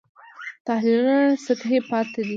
تحلیلونه سطحي پاتې دي.